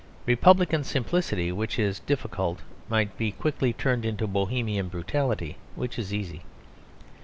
Republican simplicity, which is difficult, might be quickly turned into Bohemian brutality, which is easy.